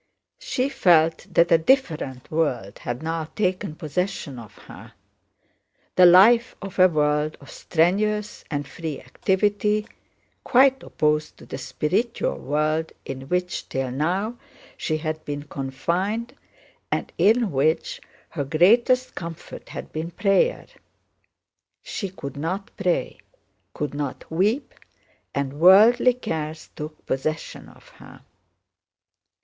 She felt that a different world had now taken possession of her—the life of a world of strenuous and free activity, quite opposed to the spiritual world in which till now she had been confined and in which her greatest comfort had been prayer. She could not pray, could not weep, and worldly cares took possession of her.